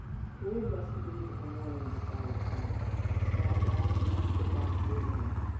"We'll investigate in the morning," decided Tom. "Now, dad, you must get back to your room."